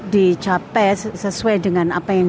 dicapai sesuai dengan apa yang